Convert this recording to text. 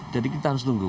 jadi kita harus tunggu